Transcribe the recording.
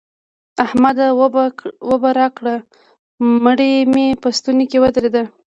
احمده! اوبه راکړه؛ مړۍ مې په ستونې ودرېده.